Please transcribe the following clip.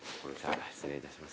失礼いたします。